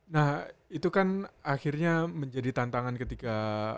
nah itu kan akhirnya menjadi tantangan ketika